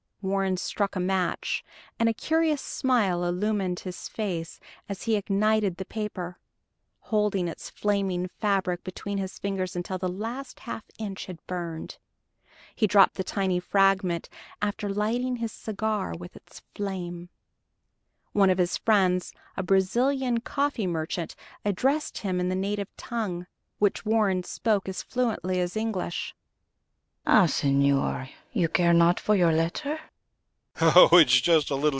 Warren struck a match, and a curious smile illumined his face as he ignited the paper, holding its flaming fabric between his fingers until the last half inch had burned. He dropped the tiny fragment after lighting his cigar with its flame. One of his friends, a Brazilian coffee merchant, addressed him in the native tongue, which Warren spoke as fluently as English. "Ah, señor, you care not for your letter?"